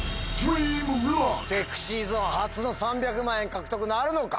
ＳｅｘｙＺｏｎｅ初の３００万円獲得なるのか。